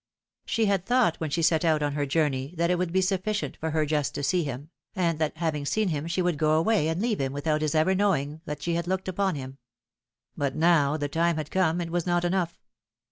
She had thought when she set out on her journey that it would be sufficient for her just to see him, and that having seen him she would go away and leave him without his ever know ing that she had looked upon him. But now the time had come it was not enough.